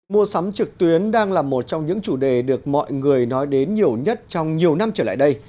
mua sắm trực tuyến đang là một trong những chủ đề được mọi người nói đến nhiều nhất trong nhiều năm trở lại đây